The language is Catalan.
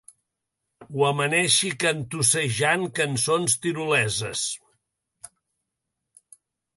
Ho amaneixi cantussejant cançons tiroleses.